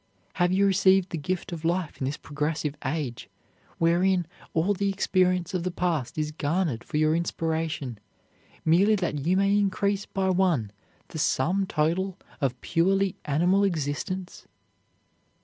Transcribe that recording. Have you received the gift of life in this progressive age, wherein all the experience of the past is garnered for your inspiration, merely that you may increase by one the sum total of purely animal existence?